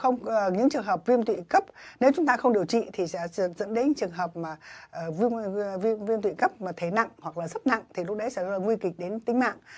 những trường hợp viêm tụy cấp nếu chúng ta không điều trị thì dẫn đến trường hợp mà viêm tụy cấp mà thể nặng hoặc là rất nặng thì lúc đấy sẽ là nguy kịch đến tính mạng